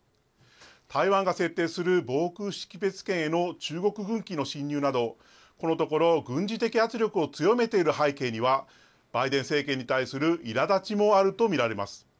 台湾が設定する防空識別圏への中国軍機の進入など、このところ、軍事的圧力を強めている背景には、バイデン政権に対するいらだちもあると見られます。